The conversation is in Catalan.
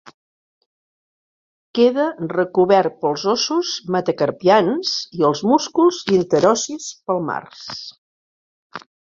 Queda recobert pels ossos metacarpians i els músculs interossis palmars.